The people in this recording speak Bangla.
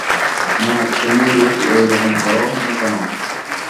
মা, তুমি রোজ এই রকম কর না কেন?